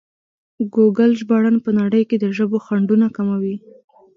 ګوګل ژباړن په نړۍ کې د ژبو خنډونه کموي.